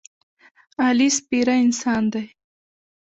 علي سپېره انسان دی.